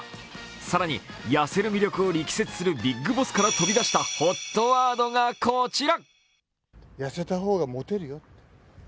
更に痩せる魅力を力説するビッグボスから飛びだしたＨＯＴワードが、こちら！